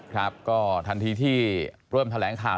ครับก็ทันทีที่เริ่มแถลงข่าว